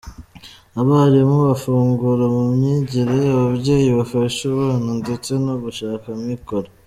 Abarimu bafungura mu myigire, ababyeyi bafasha abana ndetse no gushaka amikoro.